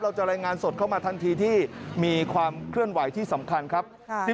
รายงานสดเข้ามาทันทีที่มีความเคลื่อนไหวที่สำคัญครับ